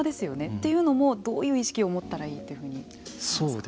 というのも、どういう意識を持ったらいいというふうに思いますか。